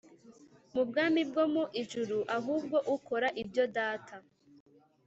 mu bwami bwo mu ijuru Ahubwo ukora ibyo Data